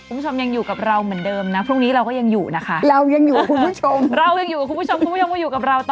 อุ๊ยรูปนี้น่ารักจังเลยอะน้อย